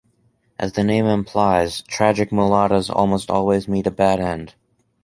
As the name implies, tragic mulattas almost always meet a bad end.